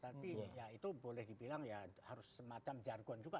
tapi ya itu boleh dibilang ya harus semacam jargon juga